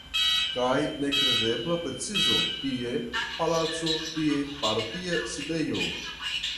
Kaj nekredebla precizo – tie palaco, tie partia sidejo.